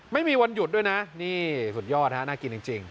ไม่มีวันหยุดด้วยนะนี่สุดยอดฮะน่ากินจริง